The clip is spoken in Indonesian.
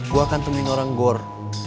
gue akan temuin orang gor